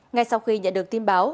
ngay sau khi nhận được tin báo